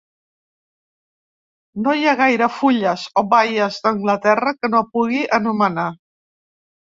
No hi ha gaires fulles o baies d'Anglaterra que no pugui anomenar.